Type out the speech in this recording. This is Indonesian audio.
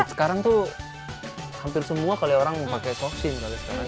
sekarang tuh hampir semua kali orang pakai toxim kali sekarang